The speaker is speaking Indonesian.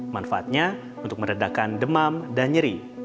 manfaatnya untuk meredakan demam dan nyeri